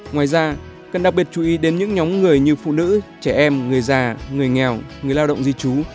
ngoài ra cần đặc biệt chú ý đến những nhóm người như phụ nữ trẻ em người già người nghèo người lao động di trú